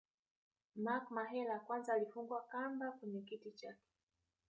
Mark Mahela kwanza alifungwa kamba kwenye kiti chake